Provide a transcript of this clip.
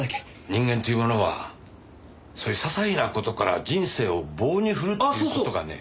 人間っていうものはそういう些細な事から人生を棒に振るっていう事がね。